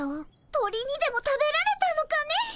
鳥にでも食べられたのかね？